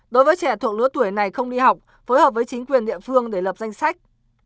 đối với trẻ thuộc lứa tuổi này không đi học phối hợp với chính quyền địa phương để lập danh sách